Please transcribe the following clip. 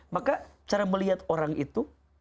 maka cara melihat orang itu